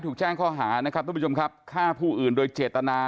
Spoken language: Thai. ถูกแจ้งข้อหานะครับทุกผู้ชมครับฆ่าผู้อื่นโดยเจตนา